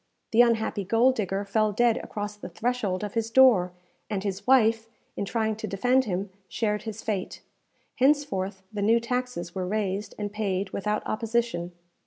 The unhappy gold digger fell dead across the threshold of his door, and his wife, in trying to defend him, shared his fate. Henceforth, the new taxes were raised and paid without opposition.